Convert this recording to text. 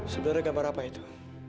sebenarnya gambar apa itu